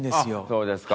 そうですか。